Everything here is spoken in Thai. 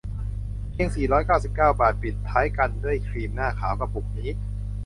เพียง สี่ร้อยเก้าสิบเก้า บาท ปิดท้ายกันด้วยครีมหน้าขาวกระปุกนี้